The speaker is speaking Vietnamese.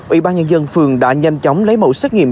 ủy ban nhân dân phường đã nhanh chóng lấy mẫu xét nghiệm